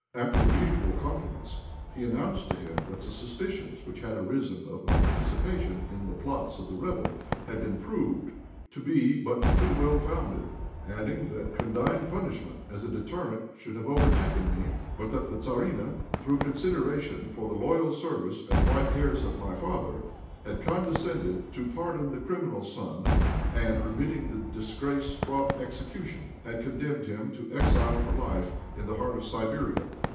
After the usual compliments he announced to him that the suspicions which had arisen of my participation in the plots of the rebels had been proved to be but too well founded, adding that condign punishment as a deterrent should have overtaken me, but that the Tzarina, through consideration for the loyal service and white hairs of my father, had condescended to pardon the criminal son, and, remitting the disgrace fraught execution, had condemned him to exile for life in the heart of Siberia.